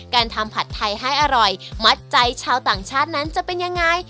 การทำผัดไทยให้อร่อยมัดใจชาวต่างชาตินั้นจะเป็นยังไง